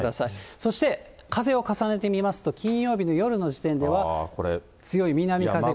そして、風を重ねてみますと、金曜日の夜の時点では強い南風が。